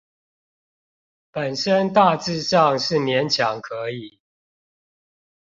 本身大致上是勉強可以